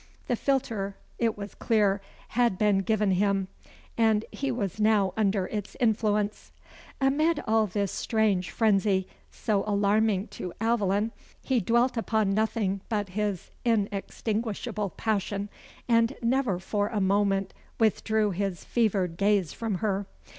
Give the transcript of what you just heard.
The philter; it was clear, had been given him, and he was now under its influence. Amid all this strange frenzy, so alarming to Aveline, he dwelt upon nothing but his inextinguishable passion, and never for a moment withdrew his fevered gaze from her.